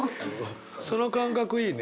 その感覚いいね。